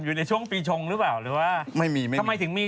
ดูจากการ